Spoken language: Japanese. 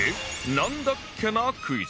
なんだっけなクイズ！